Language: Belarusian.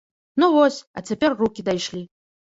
Ну вось, а цяпер рукі дайшлі.